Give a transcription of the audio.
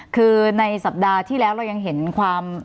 คือในสัปดาห์ที่แล้วเรายังเห็นความ